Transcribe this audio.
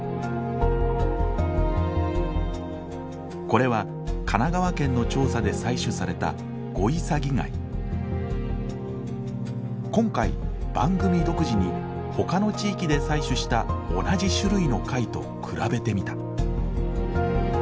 これは神奈川県の調査で採取された今回番組独自にほかの地域で採取した同じ種類の貝と比べてみた。